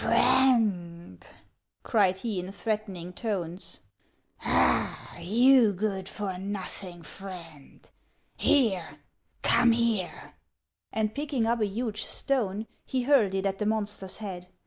" Friend !" cried he in threatening tones ;" ah, you good for nothing Friend ! Here, come here !" And picking up a huge stone, he hurled it at the mon ster's head.